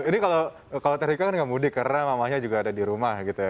ini kalau teh rika kan nggak mudik karena mamahnya juga ada di rumah gitu ya